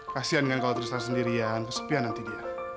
kasian kan kalo tristan sendirian kesepian nanti dia